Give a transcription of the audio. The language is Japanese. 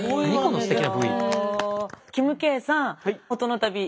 キムケイさん